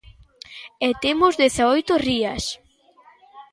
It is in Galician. E temos dezaoito rías.